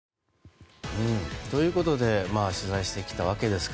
ということで取材してきたわけですが。